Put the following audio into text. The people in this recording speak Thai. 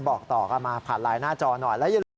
บอกต่อกันมาผ่านไลน์หน้าจอหน่อย